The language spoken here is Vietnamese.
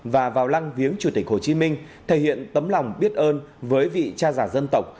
và vào lăng viếng chủ tịch hồ chí minh thể hiện tấm lòng biết ơn với vị cha già dân tộc